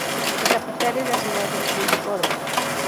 Su capital es la ciudad de Kulikoró.